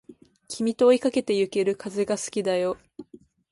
君と追いかけてゆける風が好きだよ